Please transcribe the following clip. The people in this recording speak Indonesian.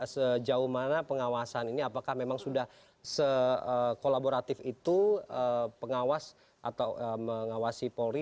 sejauh mana pengawasan ini apakah memang sudah sekolaboratif itu pengawas atau mengawasi polri